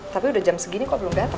tapi udah jam segini kok belum dateng ya